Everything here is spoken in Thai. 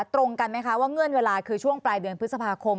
ตรงกันไหมคะว่าเงื่อนเวลาคือช่วงปลายเดือนพฤษภาคม